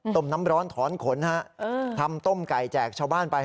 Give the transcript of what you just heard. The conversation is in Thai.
น้ำร้อนถอนขนฮะทำต้มไก่แจกชาวบ้านไป